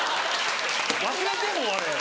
忘れてもうあれ。